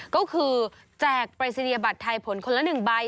ก็คือแจกปรายศนียบัตรไทยผลคนละ๑ใบ